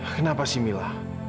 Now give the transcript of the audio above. kenapa sih mila